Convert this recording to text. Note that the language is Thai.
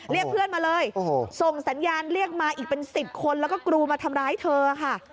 เรียกเพื่อนมาเลยส่งสัญญาณเรียกมาอีกเป็น๑๐คนแล้วก็กรูมาทำร้ายเธอค่ะ